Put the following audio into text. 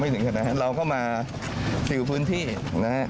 ไม่ถึงแค่นั้นเราเข้ามาสิวพื้นที่นะครับ